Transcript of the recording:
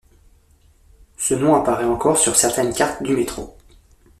Ce nom apparaît encore sur certaines cartes du métro.